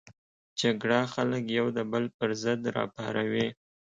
جګړه خلک یو د بل پر ضد راپاروي